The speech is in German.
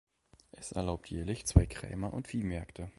Es erlaubt jährlich zwei Krämer- und Viehmärkte.